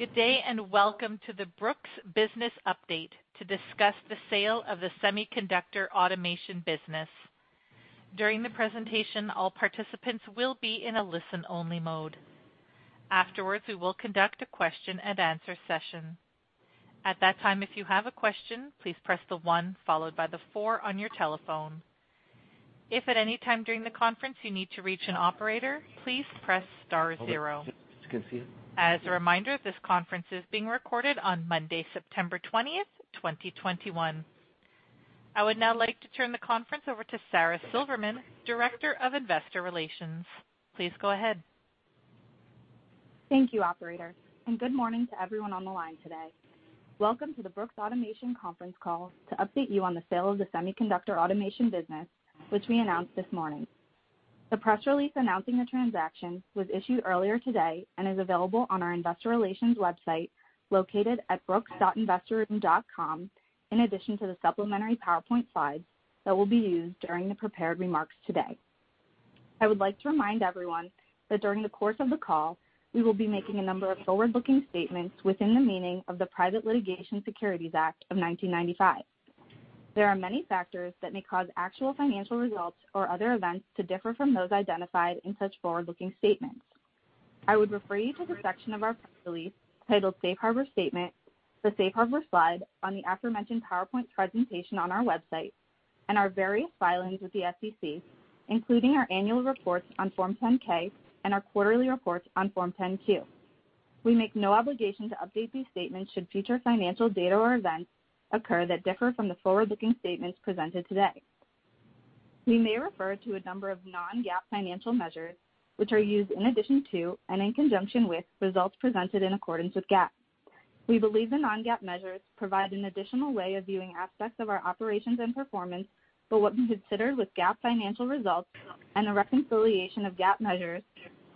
Good day, welcome to the Brooks business update to discuss the sale of the semiconductor automation business. During the presentation, all participants will be in a listen-only mode. Afterwards, we will conduct a question and answer session. At that time, if you have a question, please press one followed by four on your telephone. If at any time during the conference you need to reach an operator, please press star zero. As a reminder, this conference is being recorded on Monday, September 20th, 2021. I would now like to turn the conference over to Sara Silverman, Director of Investor Relations. Please go ahead. Thank you, operator. Good morning to everyone on the line today. Welcome to the Brooks Automation conference call to update you on the sale of the semiconductor automation business, which we announced this morning. The press release announcing the transaction was issued earlier today and is available on our investor relations website, located at brooks.investorroom.com, in addition to the supplementary PowerPoint slides that will be used during the prepared remarks today. I would like to remind everyone that during the course of the call, we will be making a number of forward-looking statements within the meaning of the Private Securities Litigation Reform Act of 1995. There are many factors that may cause actual financial results or other events to differ from those identified in such forward-looking statements. I would refer you to the section of our press release titled Safe Harbor Statement, the Safe Harbor slide on the aforementioned PowerPoint presentation on our website, and our various filings with the SEC, including our annual reports on Form 10-K and our quarterly reports on Form 10-Q. We make no obligation to update these statements should future financial data or events occur that differ from the forward-looking statements presented today. We may refer to a number of non-GAAP financial measures, which are used in addition to and in conjunction with results presented in accordance with GAAP. We believe the non-GAAP measures provide an additional way of viewing aspects of our operations and performance, but when considered with GAAP financial results and a reconciliation of GAAP measures,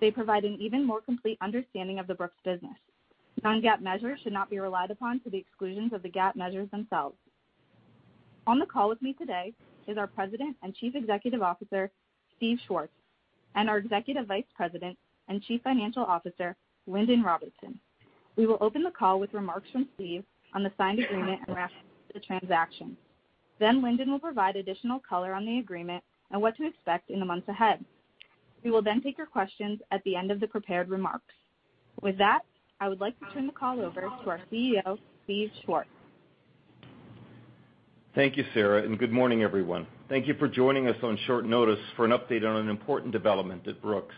they provide an even more complete understanding of the Brooks business. Non-GAAP measures should not be relied upon to the exclusion of the GAAP measures themselves. On the call with me today is our President and Chief Executive Officer, Steve Schwartz, and our Executive Vice President and Chief Financial Officer, Lindon Robertson. We will open the call with remarks from Steve on the signed agreement and rationale for the transaction. Lindon will provide additional color on the agreement and what to expect in the months ahead. We will then take your questions at the end of the prepared remarks. With that, I would like to turn the call over to our CEO, Steve Schwartz. Thank you, Sara, and good morning, everyone. Thank you for joining us on short notice for an update on an important development at Brooks.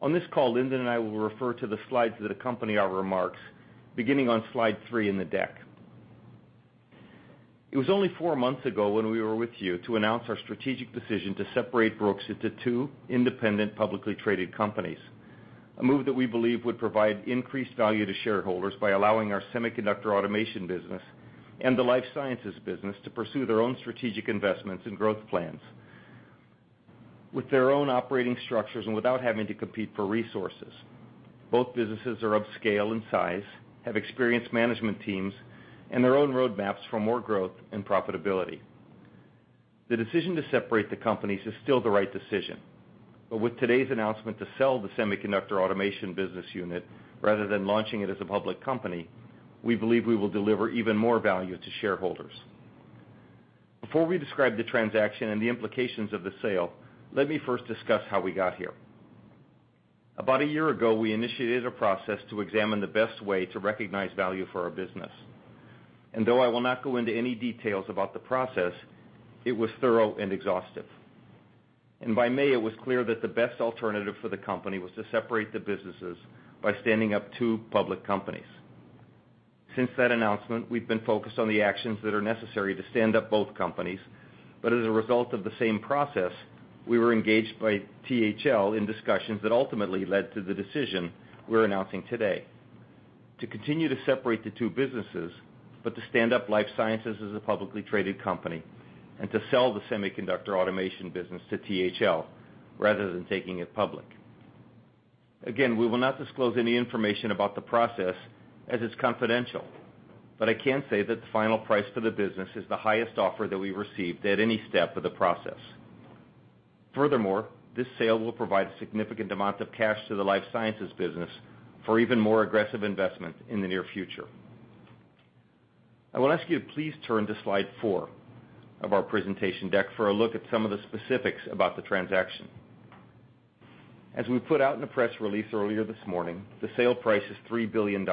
On this call, Lindon and I will refer to the slides that accompany our remarks, beginning on slide three in the deck. It was only four months ago when we were with you to announce our strategic decision to separate Brooks into two independent, publicly traded companies, a move that we believe would provide increased value to shareholders by allowing our semiconductor automation business and the life sciences business to pursue their own strategic investments and growth plans with their own operating structures and without having to compete for resources. Both businesses are of scale and size, have experienced management teams, and their own roadmaps for more growth and profitability. The decision to separate the companies is still the right decision. With today's announcement to sell the Semiconductor automation business unit rather than launching it as a public company, we believe we will deliver even more value to shareholders. Before we describe the transaction and the implications of the sale, let me first discuss how we got here. About a year ago, we initiated a process to examine the best way to recognize value for our business. Though I will not go into any details about the process, it was thorough and exhaustive. By May, it was clear that the best alternative for the company was to separate the businesses by standing up two public companies. Since that announcement, we've been focused on the actions that are necessary to stand up both companies. As a result of the same process, we were engaged by THL in discussions that ultimately led to the decision we're announcing today, to continue to separate the two businesses, but to stand up life sciences as a publicly traded company and to sell the semiconductor automation business to THL rather than taking it public. Again, we will not disclose any information about the process, as it's confidential. I can say that the final price for the business is the highest offer that we received at any step of the process. Furthermore, this sale will provide a significant amount of cash to the life sciences business for even more aggressive investment in the near future. I will ask you to please turn to slide four of our presentation deck for a look at some of the specifics about the transaction. As we put out in a press release earlier this morning, the sale price is $3 billion,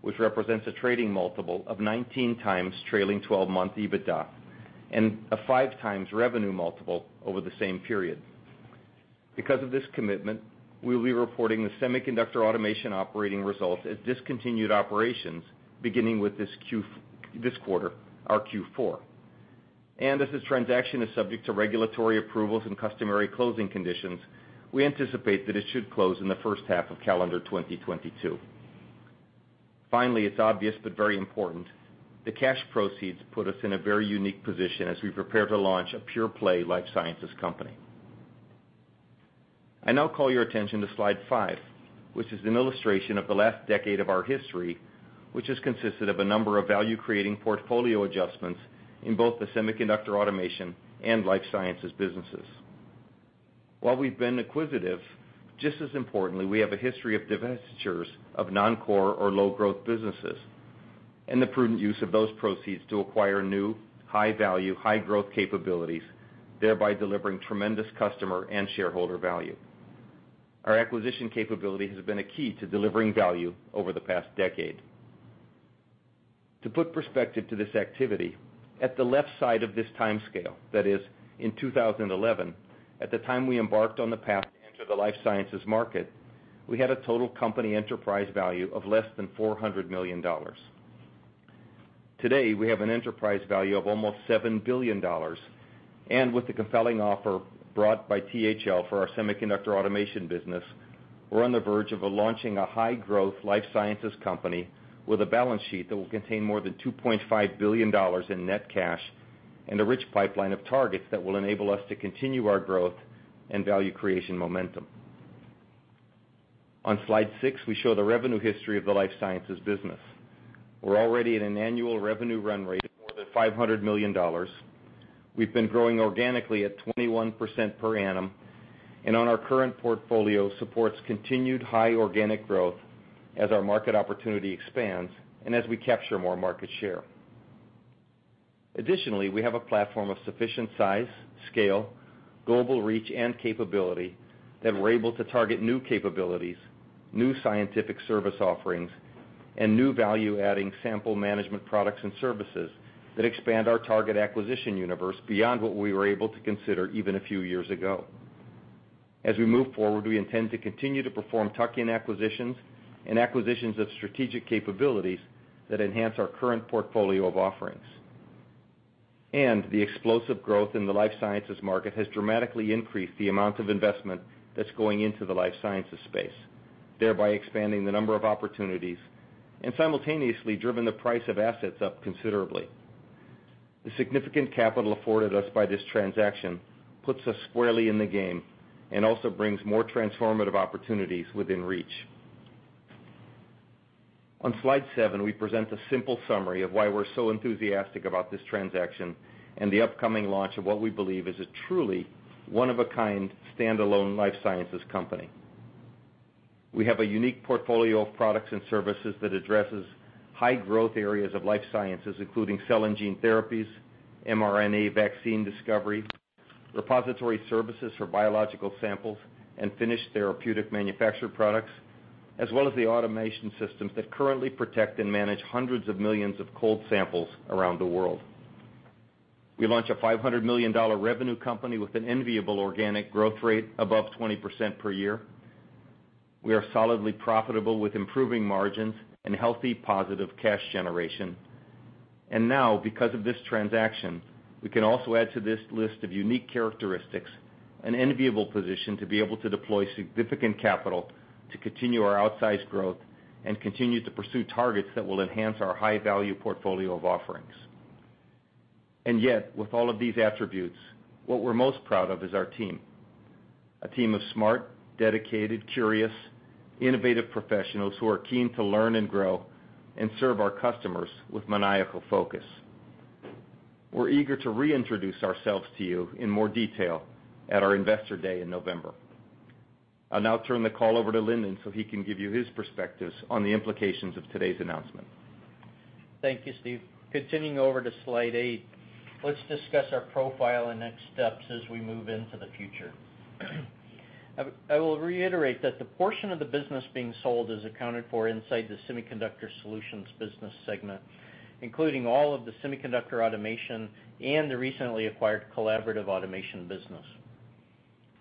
which represents a trading multiple of 19x trailing 12-month EBITDA and a 5x revenue multiple over the same period. Because of this commitment, we will be reporting the semiconductor automation operating results as discontinued operations beginning with this quarter, our Q4. As this transaction is subject to regulatory approvals and customary closing conditions, we anticipate that it should close in the first half of calendar 2022. Finally, it's obvious but very important. The cash proceeds put us in a very unique position as we prepare to launch a pure play life sciences company. I now call your attention to slide five, which is an illustration of the last decade of our history, which has consisted of a number of value-creating portfolio adjustments in both the semiconductor automation and life sciences businesses. While we've been acquisitive, just as importantly, we have a history of divestitures of non-core or low-growth businesses, and the prudent use of those proceeds to acquire new high-value, high-growth capabilities, thereby delivering tremendous customer and shareholder value. Our acquisition capability has been a key to delivering value over the past decade. To put perspective to this activity, at the left side of this timescale, that is in 2011, at the time we embarked on the path to enter the life sciences market, we had a total company enterprise value of less than $400 million. Today, we have an enterprise value of almost $7 billion. With the compelling offer brought by THL for our semiconductor automation business, we're on the verge of launching a high-growth life sciences company with a balance sheet that will contain more than $2.5 billion in net cash and a rich pipeline of targets that will enable us to continue our growth and value creation momentum. On slide six, we show the revenue history of the life sciences business. We're already at an annual revenue run rate of more than $500 million. We've been growing organically at 21% per annum. On our current portfolio, supports continued high organic growth as our market opportunity expands and as we capture more market share. Additionally, we have a platform of sufficient size, scale, global reach, and capability that we're able to target new capabilities, new scientific service offerings, and new value-adding sample management products and services that expand our target acquisition universe beyond what we were able to consider even a few years ago. As we move forward, we intend to continue to perform tuck-in acquisitions and acquisitions of strategic capabilities that enhance our current portfolio of offerings. The explosive growth in the life sciences market has dramatically increased the amount of investment that's going into the life sciences space, thereby expanding the number of opportunities, and simultaneously driven the price of assets up considerably. The significant capital afforded us by this transaction puts us squarely in the game and also brings more transformative opportunities within reach. On slide seven, we present a simple summary of why we're so enthusiastic about this transaction and the upcoming launch of what we believe is a truly one-of-a-kind, standalone life sciences company. We have a unique portfolio of products and services that addresses high-growth areas of life sciences, including cell and gene therapies, mRNA vaccine discovery, repository services for biological samples, and finished therapeutic manufactured products, as well as the automation systems that currently protect and manage hundreds of millions of cold samples around the world. We launch a $500 million revenue company with an enviable organic growth rate above 20% per year. We are solidly profitable with improving margins and healthy positive cash generation. Now, because of this transaction, we can also add to this list of unique characteristics an enviable position to be able to deploy significant capital to continue our outsized growth and continue to pursue targets that will enhance our high-value portfolio of offerings. Yet, with all of these attributes, what we're most proud of is our team. A team of smart, dedicated, curious, innovative professionals who are keen to learn and grow and serve our customers with maniacal focus. We're eager to reintroduce ourselves to you in more detail at our Investor Day in November. I'll now turn the call over to Lindon so he can give you his perspectives on the implications of today's announcement. Thank you, Steve. Continuing over to slide eight, let's discuss our profile and next steps as we move into the future. I will reiterate that the portion of the business being sold is accounted for inside the Semiconductor Solutions business segment, including all of the semiconductor automation and the recently acquired collaborative automation business.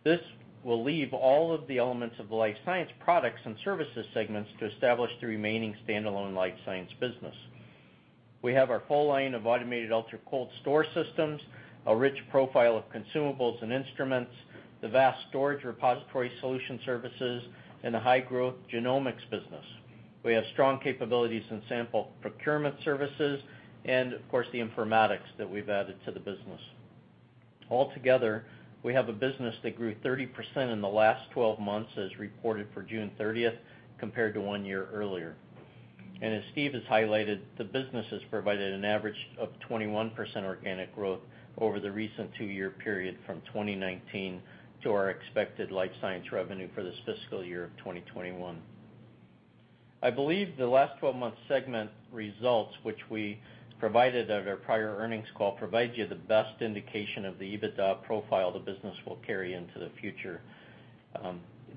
This will leave all of the elements of the life science products and services segments to establish the remaining standalone life science business. We have our full line of automated ultracold store systems, a rich profile of consumables and instruments, the vast storage repository solution services, and a high-growth genomics business. We have strong capabilities in sample procurement services and, of course, the informatics that we've added to the business. Altogether, we have a business that grew 30% in the last 12 months, as reported for June 30th, compared to one year earlier. As Steve has highlighted, the business has provided an average of 21% organic growth over the recent two-year period from 2019 to our expected life science revenue for this fiscal year of 2021. I believe the last 12 months segment results, which we provided at our prior earnings call, provide you the best indication of the EBITDA profile the business will carry into the future.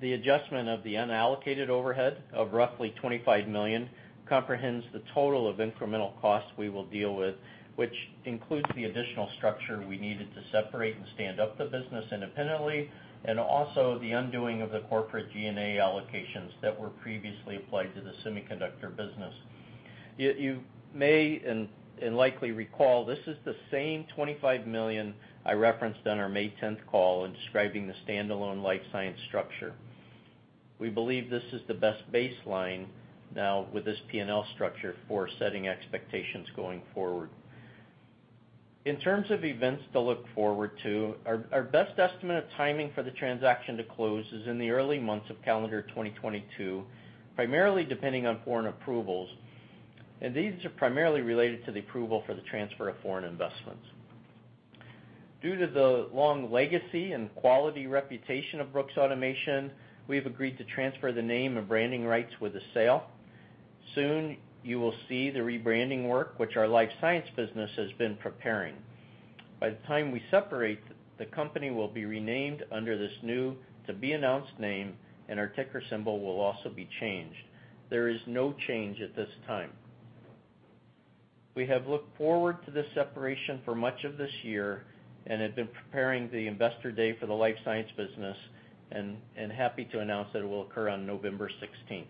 The adjustment of the unallocated overhead of roughly $25 million comprehends the total of incremental costs we will deal with, which includes the additional structure we needed to separate and stand up the business independently, and also the undoing of the corporate G&A allocations that were previously applied to the semiconductor business. You may and likely recall, this is the same $25 million I referenced on our May 10th call in describing the standalone life science structure. We believe this is the best baseline now with this P&L structure for setting expectations going forward. In terms of events to look forward to, our best estimate of timing for the transaction to close is in the early months of calendar 2022, primarily depending on foreign approvals. These are primarily related to the approval for the transfer of foreign investments. Due to the long legacy and quality reputation of Brooks Automation, we have agreed to transfer the name and branding rights with the sale. Soon, you will see the rebranding work, which our life science business has been preparing. By the time we separate, the company will be renamed under this new to-be-announced name, and our ticker symbol will also be changed. There is no change at this time. We have looked forward to this separation for much of this year and have been preparing the Investor Day for the life science business and happy to announce that it will occur on November 16th.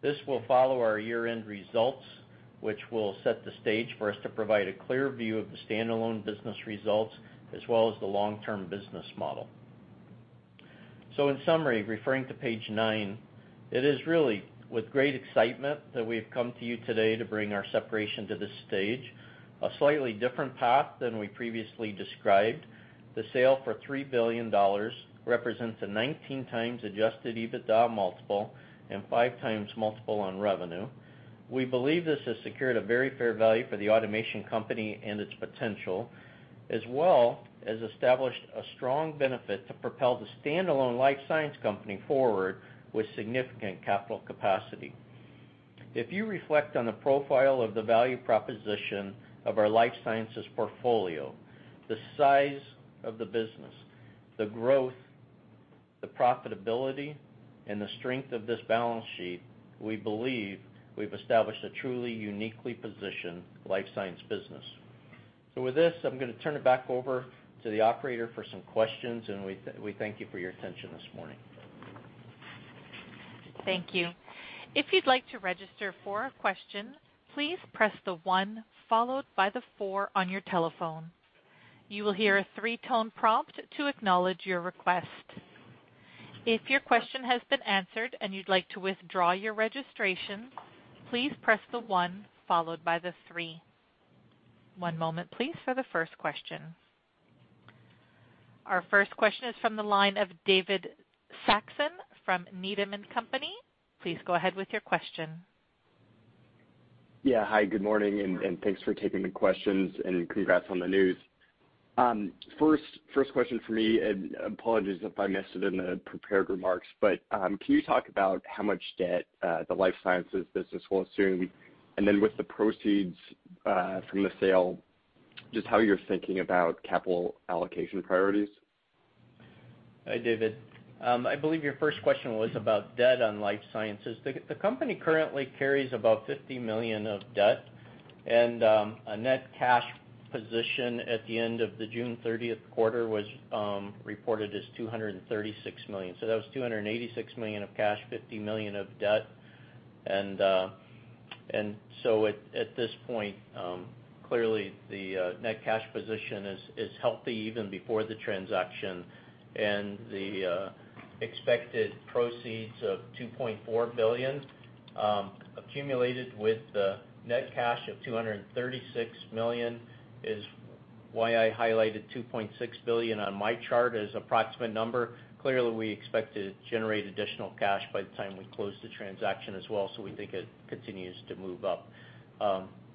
This will follow our year-end results, which will set the stage for us to provide a clear view of the standalone business results, as well as the long-term business model. In summary, referring to page nine, it is really with great excitement that we have come to you today to bring our separation to this stage. A slightly different path than we previously described. The sale for $3 billion represents a 19x adjusted EBITDA multiple and 5x multiple on revenue. We believe this has secured a very fair value for the automation company and its potential, as well as established a strong benefit to propel the standalone life sciences company forward with significant capital capacity. If you reflect on the profile of the value proposition of our life sciences portfolio, the size of the business, the growth, the profitability, and the strength of this balance sheet, we believe we've established a truly uniquely positioned life sciences business. With this, I'm going to turn it back over to the operator for some questions, and we thank you for your attention this morning. Thank you. Our first question is from the line of David Saxon from Needham & Company. Please go ahead with your question. Yeah. Hi, good morning, and thanks for taking the questions and congrats on the news. First question from me, and apologies if I missed it in the prepared remarks, but can you talk about how much debt the life sciences business will assume? With the proceeds from the sale, just how you're thinking about capital allocation priorities. Hi, David. I believe your first question was about debt on life sciences. The company currently carries about $50 million of debt, and a net cash position at the end of the June 30th quarter was reported as $236 million. That was $286 million of cash, $50 million of debt. At this point, clearly, the net cash position is healthy even before the transaction. The expected proceeds of $2.4 billion, accumulated with the net cash of $236 million, is why I highlighted $2.6 billion on my chart as approximate number. Clearly, we expect to generate additional cash by the time we close the transaction as well, so we think it continues to move up.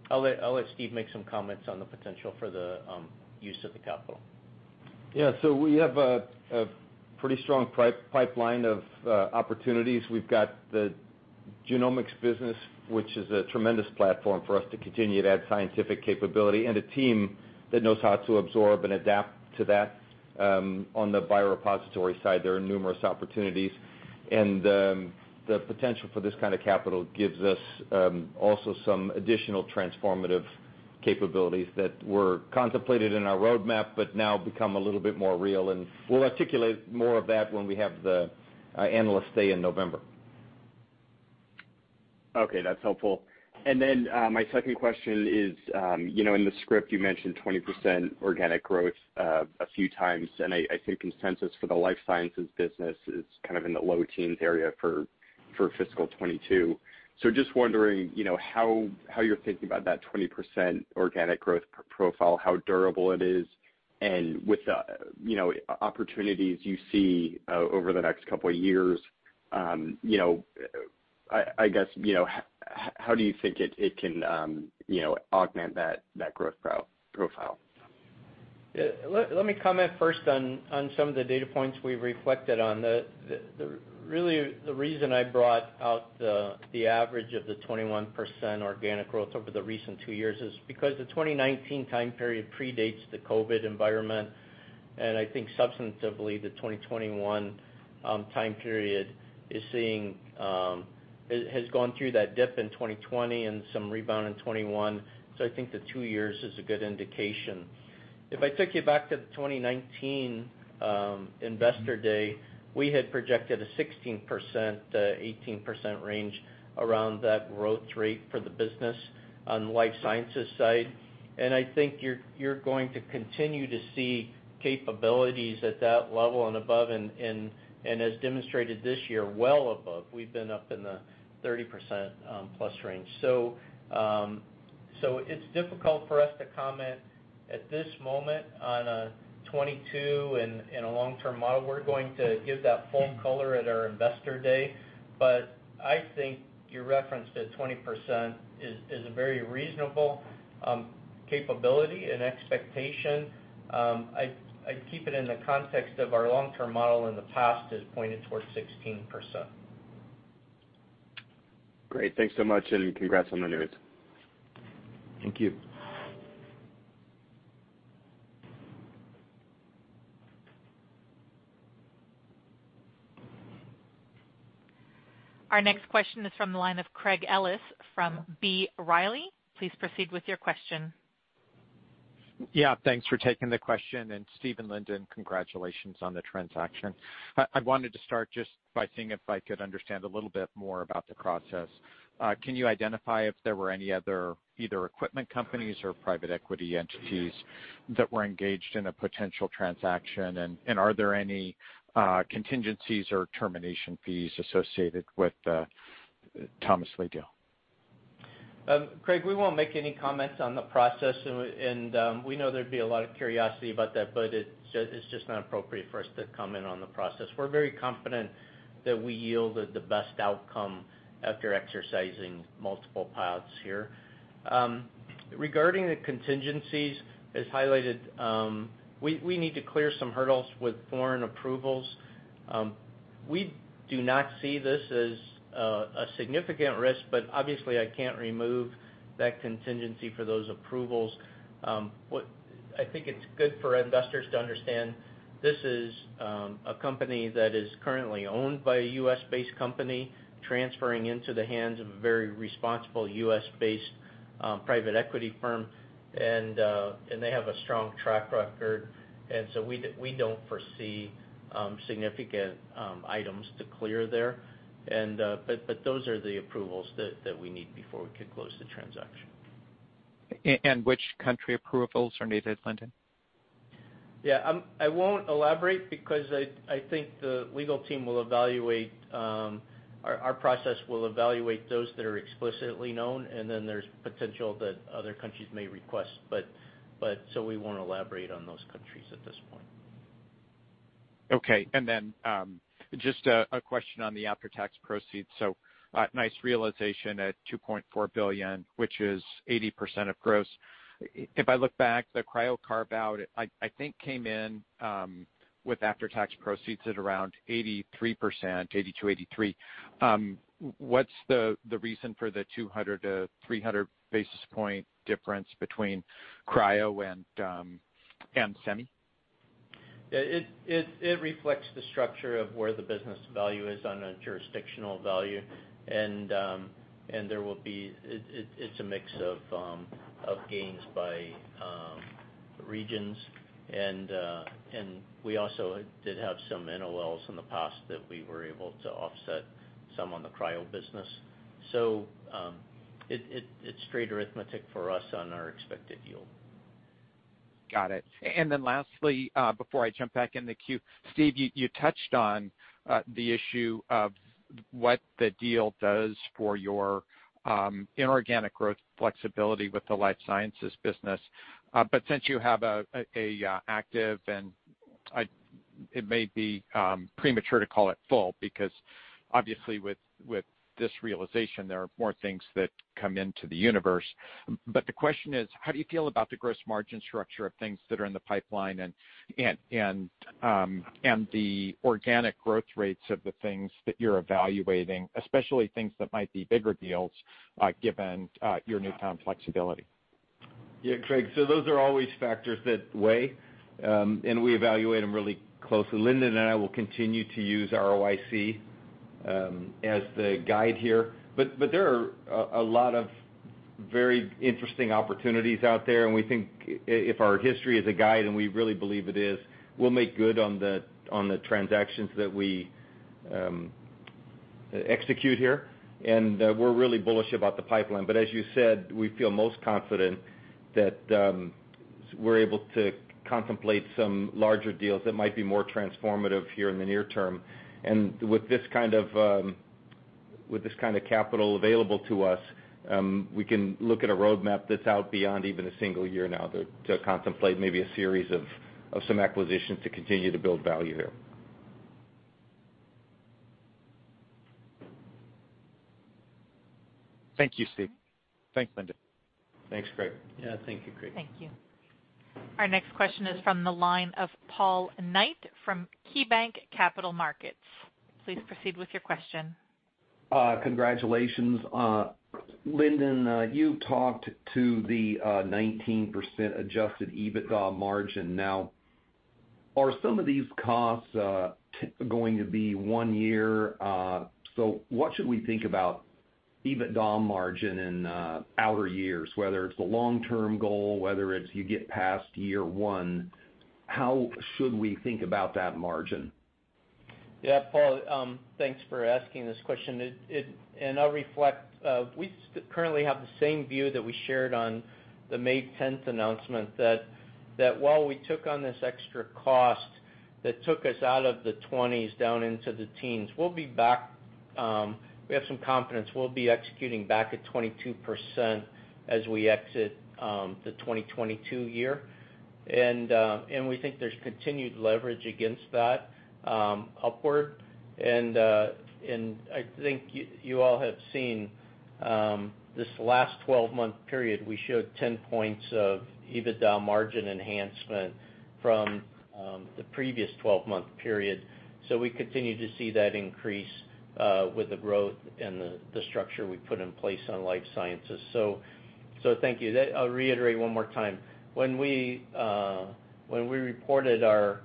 I'll let Steve make some comments on the potential for the use of the capital. Yeah. We have a pretty strong pipeline of opportunities. We've got the genomics business, which is a tremendous platform for us to continue to add scientific capability and a team that knows how to absorb and adapt to that. On the biorepository side, there are numerous opportunities, and the potential for this kind of capital gives us also some additional transformative capabilities that were contemplated in our roadmap, but now become a little bit more real, and we'll articulate more of that when we have the Analyst Day in November. Okay, that's helpful. My second question is, in the script, you mentioned 20% organic growth a few times, and I think consensus for the life sciences business is kind of in the low teens area for fiscal 2022. Just wondering, how you're thinking about that 20% organic growth profile, how durable it is, and with the opportunities you see over the next couple of years, I guess, how do you think it can augment that growth profile? Let me comment first on some of the data points we reflected on. The reason I brought out the average of the 21% organic growth over the recent two years is because the 2019 time period predates the COVID environment. I think substantively, the 2021 time period has gone through that dip in 2020 and some rebound in 2021. I think the two years is a good indication. If I took you back to the 2019 Investor Day, we had projected a 16%-18% range around that growth rate for the business on the life sciences side. I think you're going to continue to see capabilities at that level and above. As demonstrated this year, well above. We've been up in the 30%+ range. It's difficult for us to comment at this moment on a 2022 and a long-term model. We're going to give that full color at our investor day. I think your reference to 20% is a very reasonable capability and expectation. I'd keep it in the context of our long-term model in the past has pointed towards 16%. Great. Thanks so much, and congrats on the news. Thank you. Our next question is from the line of Craig Ellis from B. Riley. Please proceed with your question. Yeah. Thanks for taking the question. Steve and Lindon, congratulations on the transaction. I wanted to start just by seeing if I could understand a little bit more about the process. Can you identify if there were any other, either equipment companies or private equity entities that were engaged in a potential transaction? Are there any contingencies or termination fees associated with the Thomas H. Lee Partners deal? Craig, we won't make any comments on the process. We know there'd be a lot of curiosity about that, but it's just not appropriate for us to comment on the process. We're very confident that we yielded the best outcome after exercising multiple paths here. Regarding the contingencies, as highlighted, we need to clear some hurdles with foreign approvals. We do not see this as a significant risk, but obviously, I can't remove that contingency for those approvals. I think it's good for investors to understand this is a company that is currently owned by a U.S.-based company transferring into the hands of a very responsible U.S.-based private equity firm. They have a strong track record. We don't foresee significant items to clear there. Those are the approvals that we need before we can close the transaction. Which country approvals are needed, Lindon? I won't elaborate because I think our process will evaluate those that are explicitly known. There's potential that other countries may request. We won't elaborate on those countries at this point. Okay. Just a question on the after-tax proceeds. Nice realization at $2.4 billion, which is 80% of gross. If I look back, the Cryo carve-out, I think came in with after-tax proceeds at around 83%, 82%-83%. What's the reason for the 200-300 basis point difference between Cryo and Semi? It reflects the structure of where the business value is on a jurisdictional value. It's a mix of gains by regions. We also did have some NOLs in the past that we were able to offset some on the Cryo business. It's straight arithmetic for us on our expected yield. Got it. Lastly, before I jump back in the queue, Steve, you touched on the issue of what the deal does for your inorganic growth flexibility with the life sciences business. Since you have an active, and it may be premature to call it full, because obviously with this realization, there are more things that come into the universe. The question is, how do you feel about the gross margin structure of things that are in the pipeline and the organic growth rates of the things that you're evaluating, especially things that might be bigger deals given your new-found flexibility? Yeah, Craig. Those are always factors that weigh, and we evaluate them really closely. Lindon and I will continue to use ROIC as the guide here. There are a lot of very interesting opportunities out there, and we think if our history is a guide, and we really believe it is, we'll make good on the transactions that we execute here. We're really bullish about the pipeline. As you said, we feel most confident that we're able to contemplate some larger deals that might be more transformative here in the near term. With this kind of capital available to us, we can look at a roadmap that's out beyond even a single year now to contemplate maybe a series of some acquisitions to continue to build value here. Thank you, Steve. Thanks, Lindon. Thanks, Craig. Yeah. Thank you, Craig. Thank you. Our next question is from the line of Paul Knight from KeyBanc Capital Markets. Please proceed with your question. Congratulations. Lindon, you talked to the 19% adjusted EBITDA margin. Are some of these costs going to be one year? What should we think about EBITDA margin in outer years, whether it's the long-term goal, whether it's you get past year one, how should we think about that margin? Yeah, Paul, thanks for asking this question. I'll reflect, we currently have the same view that we shared on the May 10th announcement that while we took on this extra cost that took us out of the 20s down into the teens, we have some confidence we'll be executing back at 22% as we exit the 2022 year. We think there's continued leverage against that upward. I think you all have seen this last 12-month period, we showed 10 points of EBITDA margin enhancement from the previous 12-month period. We continue to see that increase with the growth and the structure we put in place on life sciences. Thank you. I'll reiterate one more time. When we reported our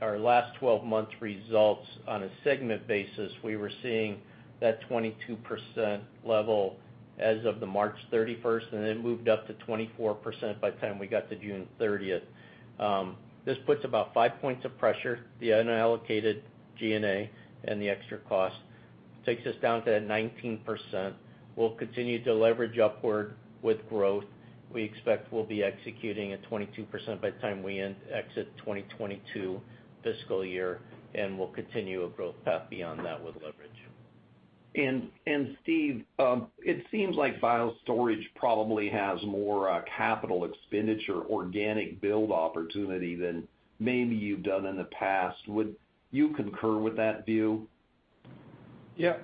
last 12 months results on a segment basis, we were seeing that 22% level as of the March 31st, and it moved up to 24% by the time we got to June 30th. This puts about 5 points of pressure. The unallocated G&A and the extra cost takes us down to 19%. We'll continue to leverage upward with growth. We expect we'll be executing at 22% by the time we exit 2022 fiscal year, and we'll continue a growth path beyond that with leverage. Steve, it seems like BioStore probably has more capital expenditure organic build opportunity than maybe you've done in the past. Would you concur with that view? Yeah.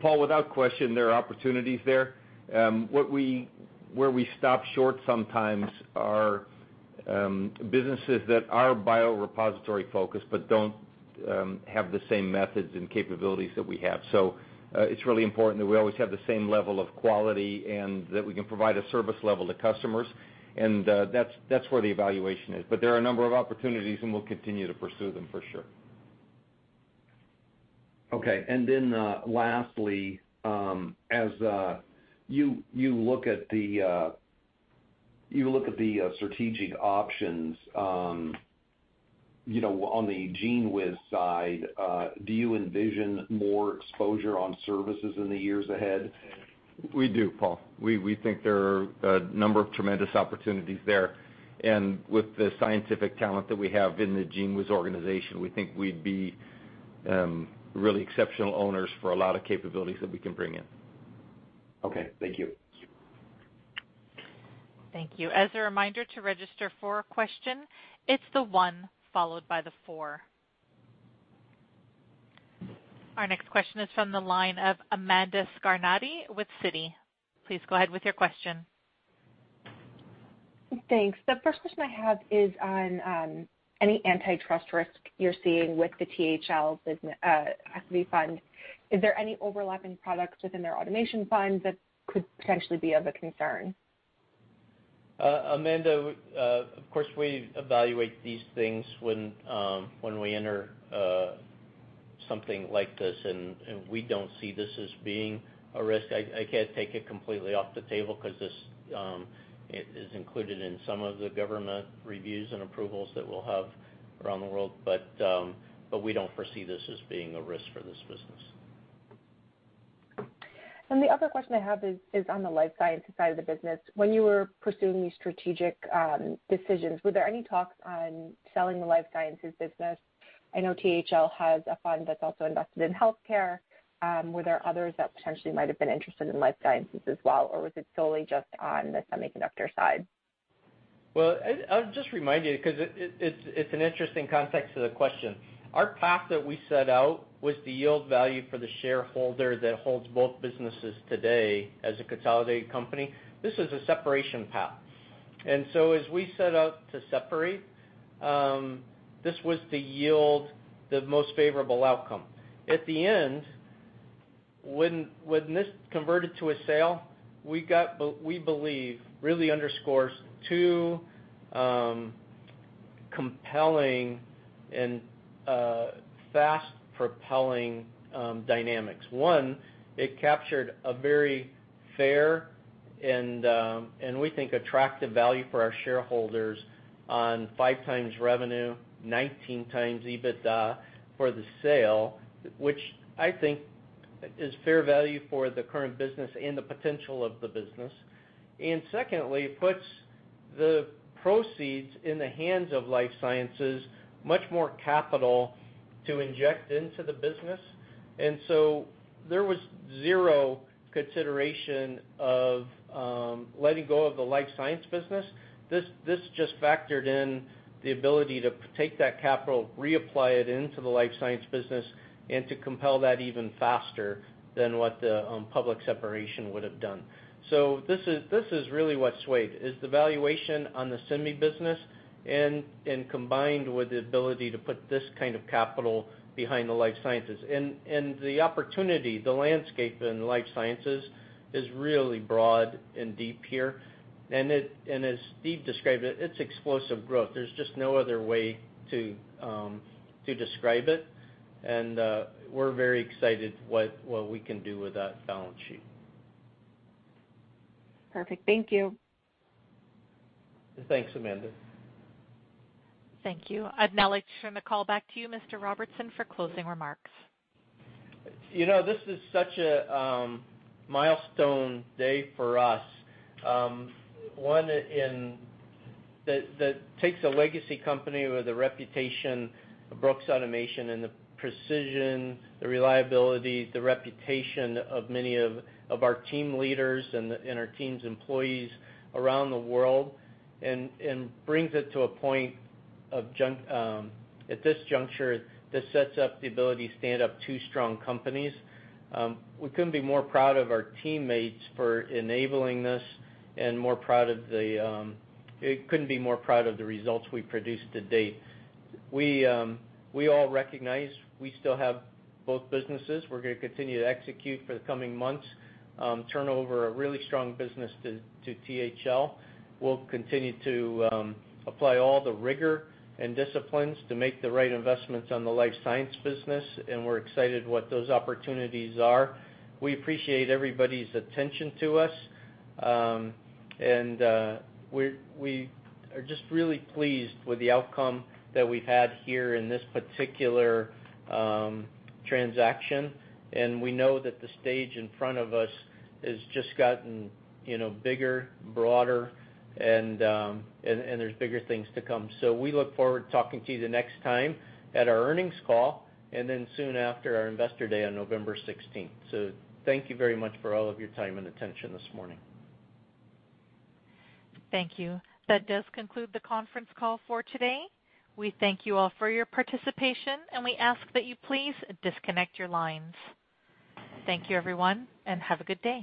Paul, without question, there are opportunities there. Where we stop short sometimes are businesses that are biorepository-focused, but don't have the same methods and capabilities that we have. It's really important that we always have the same level of quality and that we can provide a service level to customers. That's where the evaluation is. There are a number of opportunities, and we'll continue to pursue them for sure. Okay. Lastly, as you look at the strategic options on the GENEWIZ side, do you envision more exposure on services in the years ahead? We do, Paul. We think there are a number of tremendous opportunities there. With the scientific talent that we have in the GENEWIZ organization, we think we'd be really exceptional owners for a lot of capabilities that we can bring in. Okay. Thank you. Thank you. As a reminder to register for a question, it's the one followed by the four. Our next question is from the line of Amanda Scarnati with Citi. Please go ahead with your question. Thanks. The first question I have is on any antitrust risk you're seeing with the THL equity fund. Is there any overlap in products within their automation funds that could potentially be of a concern? Amanda, of course, we evaluate these things when we enter something like this, and we don't see this as being a risk. I can't take it completely off the table because it is included in some of the government reviews and approvals that we'll have around the world. We don't foresee this as being a risk for this business. The other question I have is on the life sciences side of the business. When you were pursuing these strategic decisions, were there any talks on selling the life sciences business? I know THL has a fund that's also invested in healthcare. Were there others that potentially might have been interested in life sciences as well, or was it solely just on the semiconductor side? I'll just remind you, because it's an interesting context to the question. Our path that we set out was the yield value for the shareholder that holds both businesses today as a consolidated company. This is a separation path. As we set out to separate, this was to yield the most favorable outcome. At the end, when this converted to a sale, we believe really underscores two compelling and fast propelling dynamics. One, it captured a very fair and we think attractive value for our shareholders on 5x revenue, 19x EBITDA for the sale, which I think is fair value for the current business and the potential of the business. Secondly, it puts the proceeds in the hands of life sciences, much more capital to inject into the business. There was zero consideration of letting go of the life science business. This just factored in the ability to take that capital, reapply it into the life science business, and to compel that even faster than what the public separation would've done. This is really what swayed, is the valuation on the semi business and combined with the ability to put this kind of capital behind the life sciences. The opportunity, the landscape in life sciences is really broad and deep here. As Steve described it's explosive growth. There's just no other way to describe it. We're very excited what we can do with that balance sheet. Perfect. Thank you. Thanks, Amanda. Thank you. I'd now like to turn the call back to you, Mr. Robertson, for closing remarks. This is such a milestone day for us. One that takes a legacy company with a reputation of Brooks Automation and the precision, the reliability, the reputation of many of our team leaders and our team's employees around the world, and brings it to a point at this juncture that sets up the ability to stand up two strong companies. We couldn't be more proud of our teammates for enabling this and couldn't be more proud of the results we produced to date. We all recognize we still have both businesses. We're going to continue to execute for the coming months, turn over a really strong business to THL. We'll continue to apply all the rigor and disciplines to make the right investments on the life science business. We're excited what those opportunities are. We appreciate everybody's attention to us. We are just really pleased with the outcome that we've had here in this particular transaction. We know that the stage in front of us has just gotten bigger, broader, and there's bigger things to come. We look forward to talking to you the next time at our earnings call, and then soon after our investor day on November 16th. Thank you very much for all of your time and attention this morning. Thank you. That does conclude the conference call for today. We thank you all for your participation. We ask that you please disconnect your lines. Thank you, everyone. Have a good day.